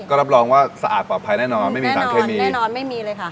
ก็รับรองว่าสะอาดปลอบภัยแน่นอนแน่นอนแน่นอนไม่มีเลยค่ะ